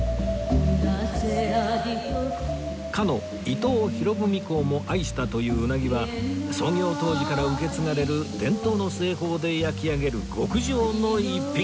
かの伊藤博文公も愛したという鰻は創業当時から受け継がれる伝統の製法で焼き上げる極上の一品